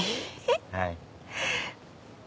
はい。